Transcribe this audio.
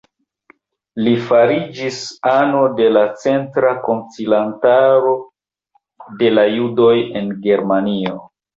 Li fariĝis ano de la Centra Koncilantaro de la Judoj en Germanio.